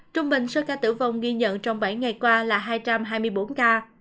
trung bình số ca tử vong ghi nhận trong bảy ngày qua là hai trăm hai mươi bốn ca